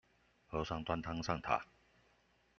和尚端湯上塔